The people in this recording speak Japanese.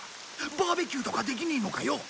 バーベキューとかできねえのかよ。